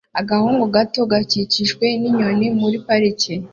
Agahungu gato gakikijwe ninyoni muri parike